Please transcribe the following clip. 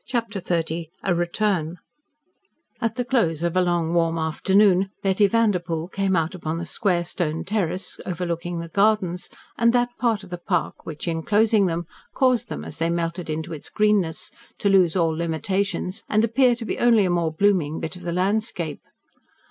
CHAPTER XXX A RETURN At the close of a long, warm afternoon Betty Vanderpoel came out upon the square stone terrace overlooking the gardens, and that part of the park which, enclosing them, caused them, as they melted into its greenness, to lose all limitations and appear to be only a more blooming bit of the landscape.